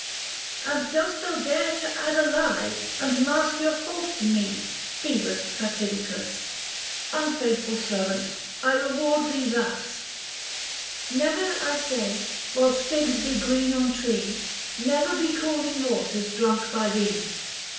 " And dost thou dare to add a lie, and mask Your fault to me, Phoebus Fatidicus ! Unfaithful servant, I reward thee thus :— 270 42 THE FASTI. Book II. Never I say, whilst figs be green on tree Never be cooling waters drunk by thee."